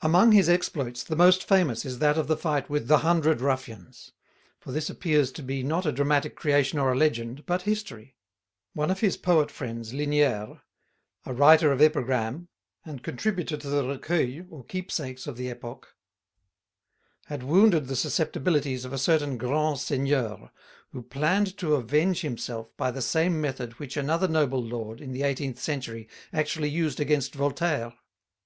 Among his exploits the most famous is that of the fight with the hundred ruffians; for this appears to be not a dramatic creation or a legend, but history. One of his poet friends, Linière (the name is sometimes spelt Lignière) a writer of epigram and contributor to the "Recueils" or "Keep sakes" of the epoch, had wounded the susceptibilities of a certain "grand seigneur," who planned to avenge himself by the same method which another noble lord, in the eighteenth century, actually used against Voltaire.